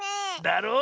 だろ？